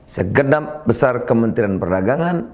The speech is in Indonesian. segenap besar kementerian perdagangan